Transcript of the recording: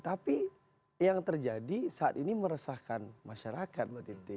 tapi yang terjadi saat ini meresahkan masyarakat mbak titi